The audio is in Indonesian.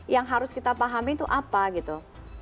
yang harus kita pahami itu apa gitu